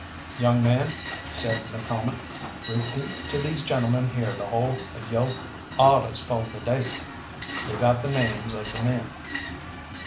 "Young man," said McCalmont, "repeat to these gentlemen here the whole of yo' awdehs fo' the day. Leave out the names of the men."